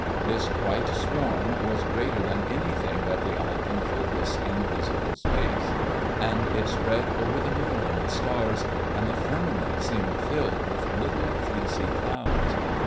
This white swarm was greater than anything that the eye can focus in visible space, and it spread over the moon and the stars, and the firmament seemed filled with little fleecy clouds.